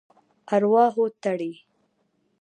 ارواحو تړي.